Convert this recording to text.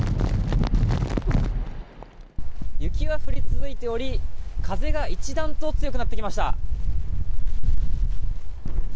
雪は降り続いており風が一段と強くなってきました。